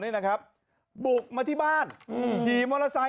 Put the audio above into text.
ฮ่าฮ่าฮ่า